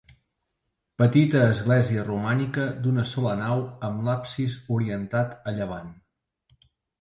Petita església romànica d'una sola nau amb l'absis orientat a llevant.